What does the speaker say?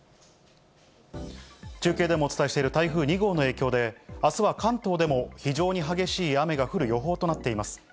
中継でもお伝えしている台風２号の影響で、あすは関東でも非常に激しい雨が降る予報となっています。